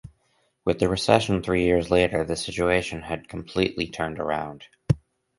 With the recession three years later the situation had completely turned around.